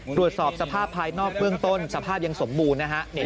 ตรวจสอบสภาพภายนอกเบื้องต้นสภาพยังสมบูรณ์นะฮะ